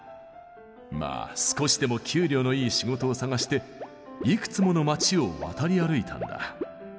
まあ少しでも給料のいい仕事を探していくつもの町を渡り歩いたんだ。